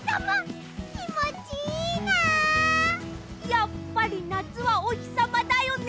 やっぱりなつはおひさまだよね！